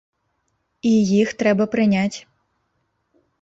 І іх трэба прыняць.